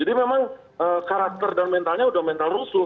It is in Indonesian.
jadi memang karakter dan mentalnya sudah mental rusuh